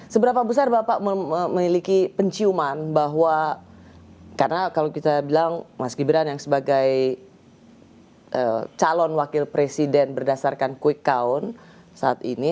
seberapa besar bapak memiliki penciuman bahwa karena kalau kita bilang mas gibran yang sebagai calon wakil presiden berdasarkan quick count saat ini